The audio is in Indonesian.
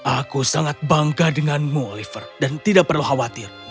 aku sangat bangga denganmu oliver dan tidak perlu khawatir